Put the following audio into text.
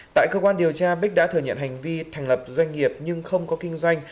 tại cơ quan điều tra bích đã thừa nhận hành vi thành lập doanh nghiệp nhưng không có kinh doanh